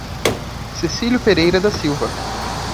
Cecilio Pereira da Silva